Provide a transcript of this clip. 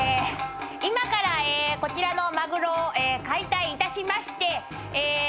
今からこちらのマグロを解体いたしましてえ